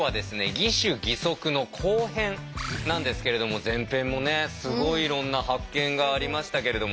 「義手義足」の後編なんですけれども前編もねすごいいろんな発見がありましたけれども。